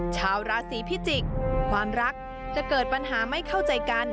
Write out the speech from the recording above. ชาวราศีพิจิกษ์ความรักจะเกิดปัญหาไม่เข้าใจกัน